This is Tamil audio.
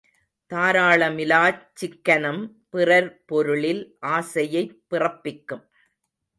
தாராளமிலாச்சிக்கனம் பிறர் பொருளில் ஆசையைப் பிறப்பிக்கும்.